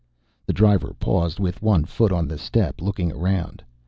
The driver paused with one foot on the step, looking around.